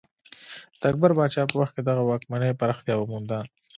د اکبر پاچا په وخت کې دغه واکمنۍ پراختیا ومونده.